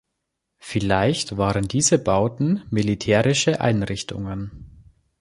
Vielleicht waren diese Bauten militärische Einrichtungen.